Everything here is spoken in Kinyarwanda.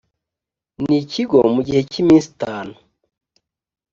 n ikigo mu gihe cy iminsi itanu.